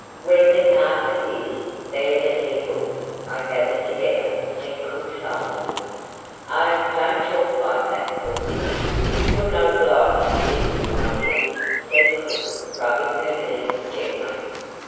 "Where the carcase is, there the eagles are gathered together," said cook, solemnly. "Oh, don't talk like that, cook." "You're not obliged to listen, my dear," said cook, rubbing her knees gently.